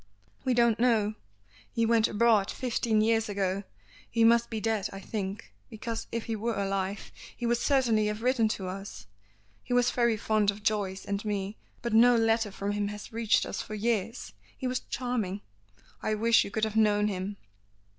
"We don't know. He went abroad fifteen years ago. He must be dead I think, because if he were alive he would certainly have written to us. He was very fond of Joyce and me; but no letter from him has reached us for years. He was charming. I wish you could have known him."